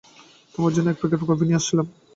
তোমার জন্যে এক প্যাকেট কফি নিয়ে আসছিলাম।